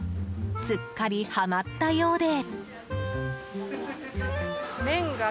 すっかりハマったようで。